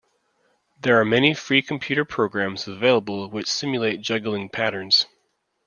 There are many free computer programs available which simulate juggling patterns.